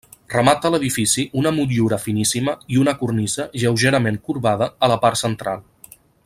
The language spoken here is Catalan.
Remata l'edifici una motllura finíssima i una cornisa lleugerament corbada a la part central.